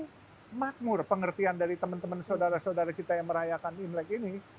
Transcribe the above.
yang makmur pengertian dari teman teman saudara saudara kita yang merayakan imlek ini